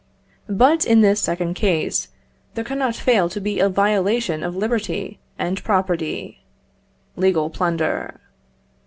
But, in this second case, there cannot fail to be a violation of liberty and property, legal plunder.